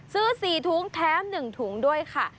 ซื้อ๔ถุงแถม๑ถุงด้วยค่ะ